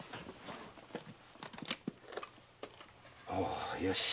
おおよし。